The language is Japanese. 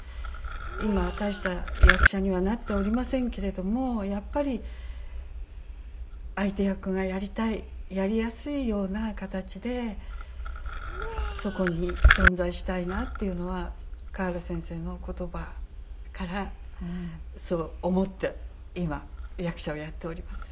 今大した役者にはなっておりませんけれどもやっぱり相手役がやりたいやりやすいような形でそこに存在したいなっていうのは賀原先生の言葉からそう思って今役者をやっております。